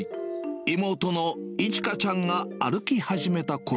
妹の依愛ちゃんが歩き始めたころ。